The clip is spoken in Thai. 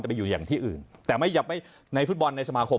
ไปอยู่อย่างที่อื่นแต่ไม่ในฟุตบอลในสมาคม